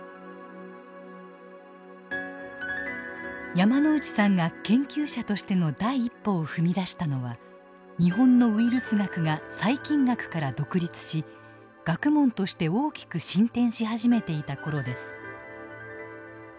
山内さんが研究者としての第一歩を踏み出したのは日本のウイルス学が細菌学から独立し学問として大きく進展し始めていたころです。